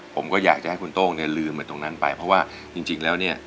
ผมก็อยากจะให้คุณโต้งเนี่ยลืมไปตรงนั้นไปเพราะว่าจริงแล้วเนี่ย